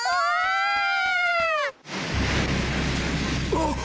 あっ！